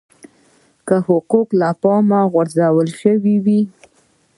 که حقوق له پامه غورځول شوي وي.